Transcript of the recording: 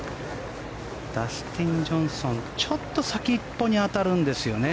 ダスティン・ジョンソンちょっと先っぽに当たるんですよね。